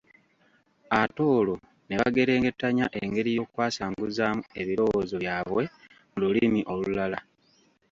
Ate olwo ne bagerengetanya engeri y’okwasanguzaamu ebirowoozo byabwe mu lulimi olulala.